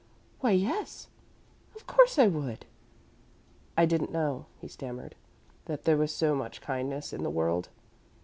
"Why, yes. Of course I would!" "I didn't know," he stammered, "that there was so much kindness in the world.